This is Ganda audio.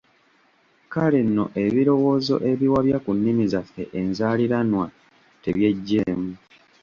Kale nno ebirowoozo ebiwabya ku nnimi zaffe enzaaliranwa tubyeggyemu.